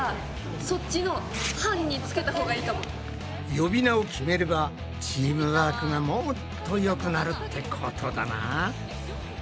呼び名を決めればチームワークがもっとよくなるってことだな。